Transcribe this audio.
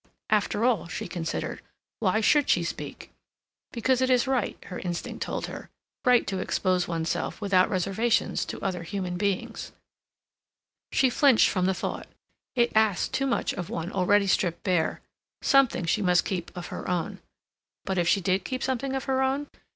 After all, she considered, why should she speak? Because it is right, her instinct told her; right to expose oneself without reservations to other human beings. She flinched from the thought. It asked too much of one already stripped bare. Something she must keep of her own. But if she did keep something of her own?